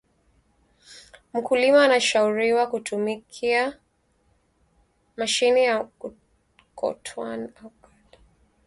mkulima anashauriwa kutumkia mashine ya kukokotwana ng ombekuhakisha uvunaji mzuri